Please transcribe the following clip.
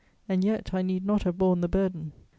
And yet, I need not have borne the burden.